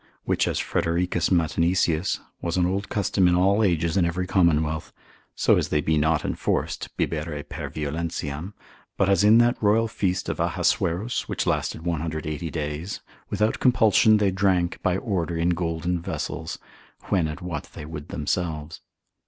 Which as I. Fredericus Matenesius, Crit. Christ. lib. 2. cap. 5, 6, & 7, was an old custom in all ages in every commonwealth, so as they be not enforced, bibere per violentiam, but as in that royal feast of Ahasuerus, which lasted 180 days, without compulsion they drank by order in golden vessels, when and what they would themselves.